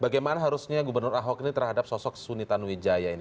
bagaimana harusnya gubernur ahok ini terhadap sosok suni tanuwijaya ini